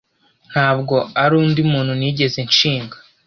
Ntabwo ari undi muntu nigeze nshinga